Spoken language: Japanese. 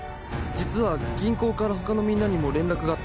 実は銀行から他のみんなにも連絡があって